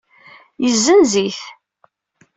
Yezzenz-it.